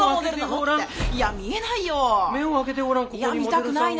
いや見たくないな。